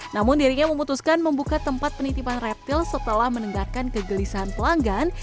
namun dirinya memutuskan membuka tempat penitipan reptil setelah menenggarkan kegelisahan pelanggan